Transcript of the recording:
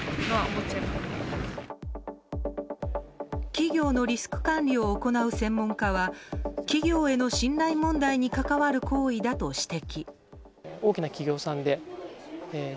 企業のリスク管理を行う専門家は企業への信頼問題に関わる行為だと指摘。